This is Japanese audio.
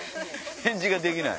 返事ができない。